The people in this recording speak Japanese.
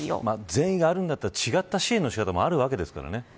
善意があるんだったら違った支援の仕方もあるわけですからね。